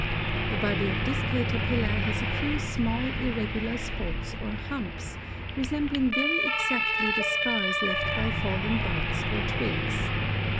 The body of this caterpillar has a few small, irregular spots or humps, resembling very exactly the scars left by fallen buds or twigs.